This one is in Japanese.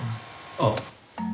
あっ。